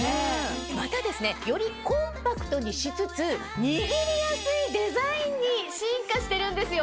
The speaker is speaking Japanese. またですねよりコンパクトにしつつ握りやすいデザインに進化してるんですよ。